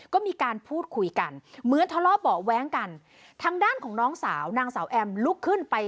ก็มีการพูดคุยกันเหมือนทะเลาะเบาะแว้งกันทางด้านของน้องสาวนางสาวแอมลุกขึ้นไป